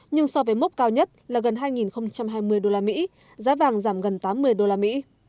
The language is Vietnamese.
nhưng so với mốc cao nhất là gần hai hai mươi đô la mỹ giá vàng giảm gần tám mươi đô la mỹ